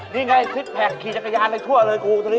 นี่ไงซิปแพคขี่จักรยานตั้งทั่วเลยครูตัวนี้